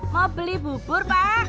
mau beli bubur pak